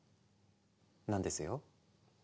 なんですよ。